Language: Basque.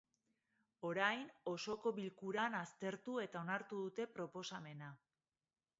Orain, osoko bilkuran aztertu eta onartu dute proposamena.